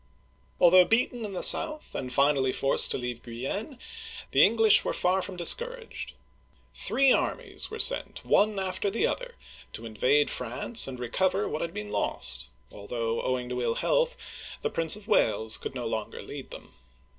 Although beaten in the south, and finally forced to leave Guienne, the English were far from discouraged. Three armies were sent one after another to invade France and reconquer what had been lost, although, owing to ill health, the Prince of Wales could no longer lead them.